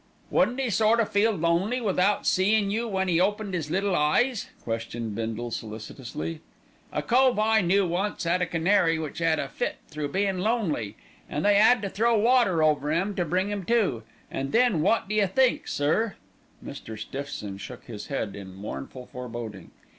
"Wouldn't 'e sort o' feel lonely without seein' you when 'e opened 'is little eyes?" questioned Bindle solicitously. "A cove I knew once 'ad a canary which 'ad a fit through bein' lonely, and they 'ad to throw water over 'im to bring 'im to, an' then wot d'you think, sir?" Mr. Stiffson shook his head in mournful foreboding.